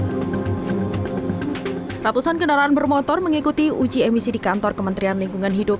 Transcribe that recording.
hai ratusan kendaraan bermotor mengikuti uji emisi di kantor kementerian lingkungan hidup